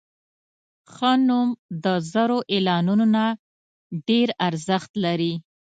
ښه نوم د زرو اعلانونو نه ډېر ارزښت لري.